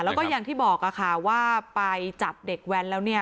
แล้วก็อย่างที่บอกค่ะว่าไปจับเด็กแว้นแล้วเนี่ย